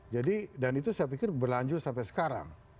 jadi itu saya pikir berlanjur sampai sekarang